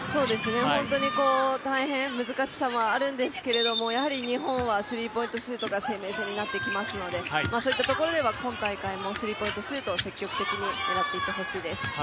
本当に大変、難しさもあるんですけれども、日本はスリーポイントシュートが生命線になってきますので、そういったところでは今大会もスリーポイントシュートを積極的に狙っていってほしいです。